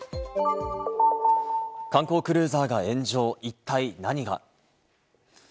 観光クルーザーが炎上、一体何が？